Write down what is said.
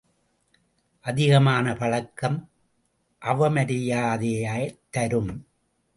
அதிகமான பழக்கம் அவமரியாதையைத் தரும்.